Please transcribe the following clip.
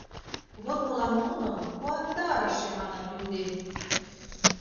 Вот молан нуным «куандарыше» манын лӱмден.